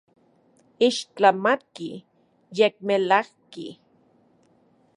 Ixtlamatki, yekmelajki.